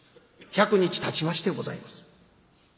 １００日たちましてございます」。